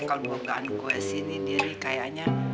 kalo dugaan gue sih nih diri kayaknya